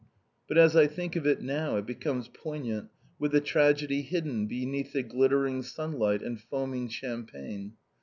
But as I think of it now, it becomes poignant with the tragedy hidden beneath the glittering sunlight and foaming champagne.